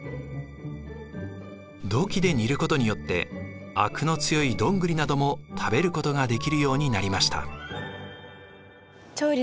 土器で煮ることによってあくの強いドングリなども食べることができるようになりました。